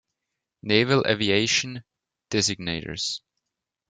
Naval Aviation designators.